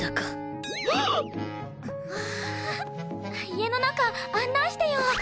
家の中案内してよ。